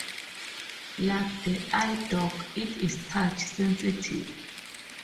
Like the iDog, it is touch-sensitive.